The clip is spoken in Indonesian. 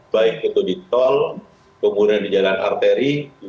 baik itu di tol kemudian di jalan arteri